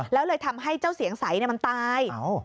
แล้วเลยทำให้เจ้าเสียงใสมันตาย